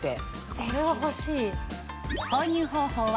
これは欲しい。